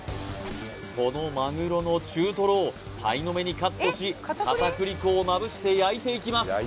このまぐろの中トロをさいの目にカットし片栗粉をまぶして焼いていきます